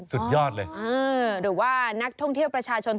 หรือว่านักท่องเที่ยวประชาชน